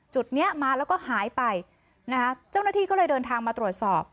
จุดเนี้ยมาแล้วก็หายไปนะคะเจ้าหน้าที่ก็เลยเดินทางมาตรวจสอบ